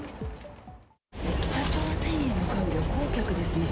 北朝鮮へ向かう旅行客ですね。